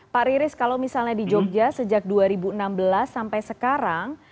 pak riris kalau misalnya di jogja sejak dua ribu enam belas sampai sekarang